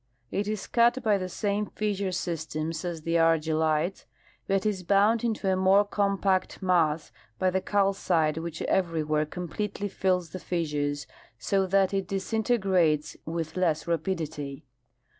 It is cut by the same fissure systems as the argillites, but is bound into a more compact mass by the calcite which everywhere completely fills the fissures, so that it disintegrates with le ^s rapidity.